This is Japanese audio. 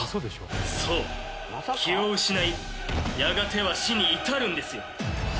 そう気を失いやがては死に至るんですよ！